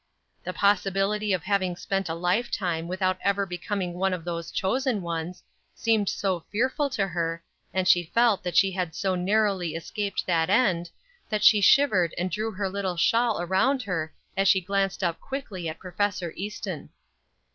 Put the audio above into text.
The possibility of having spent a lifetime without ever becoming one of those "chosen" ones, seemed so fearful to her, and she felt that she had so narrowly escaped that end, that she shivered and drew her little shawl around her as she glanced up quickly at Prof. Easton.